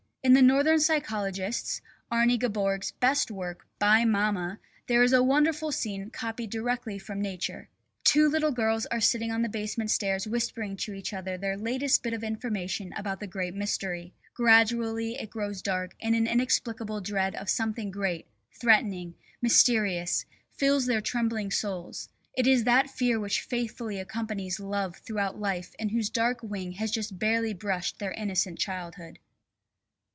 In the northern psychologist's, Arne Gaborg's, best work "By Mama" there is a wonderful scene copied direct from nature: Two little girls are sitting on the basement stairs whispering to each other their latest bit of information about the great mystery; gradually it grows dark and an inexplicable dread of something great, threatening, mysterious, fills their trembling souls; it is that fear which faithfully accompanies love throughout life and whose dark wing has just barely brushed their innocent childhood.